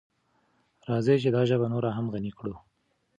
راځئ چې دا ژبه نوره هم غني کړو.